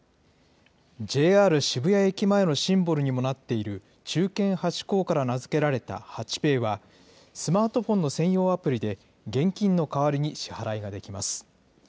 渋谷駅前のシンボルにもなっている、忠犬ハチ公から名付けられたハチペイは、スマートフォンの専用アプリで現金の代わりに支払いができます。